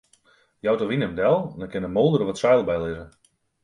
Jout de wyn him del, dan kin de moolder wat seil bylizze.